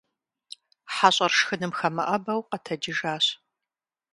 Хьэщӏэр шхыным хэмыӀэбэу къэтэджыжащ.